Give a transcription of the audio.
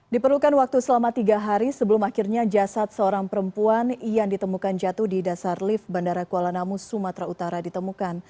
diperlukan waktu selama tiga hari sebelum akhirnya jasad seorang perempuan yang ditemukan jatuh di dasar lift bandara kuala namu sumatera utara ditemukan